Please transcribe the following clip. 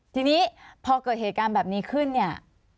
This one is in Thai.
ทีนี้พอเกิดเหตุการณ์แบบนี้ขึ้นเนี่ย